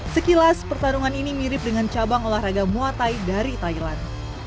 sekilas pertarungan ini mirip dengan cabang olahraga muatai dari thailand